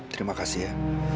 terima kasih ya